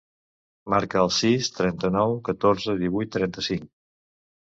Marca el sis, trenta-nou, catorze, divuit, trenta-cinc.